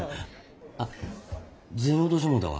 あっ銭落としてもうたわ。